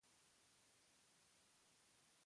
晴天